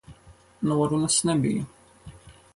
Norunas nebija.